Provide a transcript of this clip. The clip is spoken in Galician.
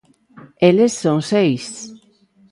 Eles son seis.